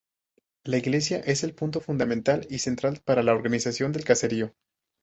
La iglesia es el punto fundamental y central para la organización del caserío.